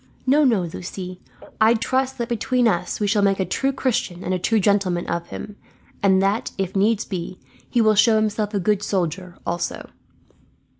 "No, no, Lucie, I trust that between us we shall make a true Christian and a true gentleman of him; and that, if needs be, he will show himself a good soldier, also."